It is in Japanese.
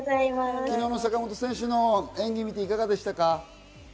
昨日の坂本選手の演技を見ていかがでしたか？